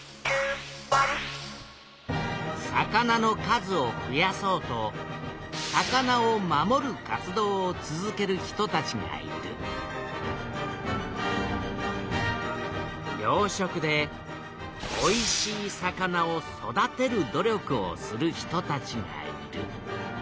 魚の数をふやそうと魚を守る活動を続ける人たちがいる養殖でおいしい魚を育てる努力をする人たちがいる。